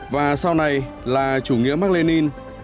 và sau này là chủ nghĩa mark lenin